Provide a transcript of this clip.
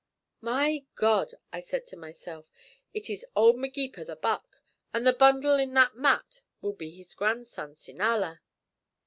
"My God!" I said to myself, "it is old Magepa the Buck, and the bundle in the mat will be his grandson, Sinala!"